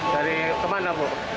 dari kemana bu